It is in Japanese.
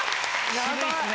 渋いっすね。